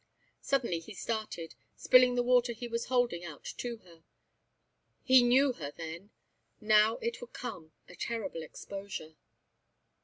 Suddenly he started, spilling the water he was holding out to her. He knew her then! Now it would come a terrible exposure!